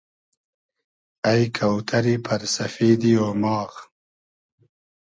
اݷ کۆتئری پئر سئفیدی اۉماغ